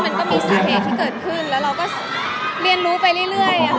มันก็มีสาเหตุที่เกิดขึ้นแล้วเราก็เรียนรู้ไปเรื่อยค่ะ